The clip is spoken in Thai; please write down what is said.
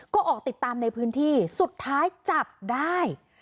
ก็ออกติดตามในพื้นที่สุดท้ายจับได้